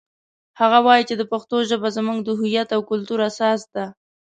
هغه وایي چې د پښتو ژبه زموږ د هویت او کلتور اساس ده